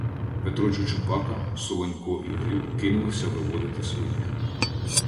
Петро Чучупака, Солонько і Гриб кинулися виводити своїх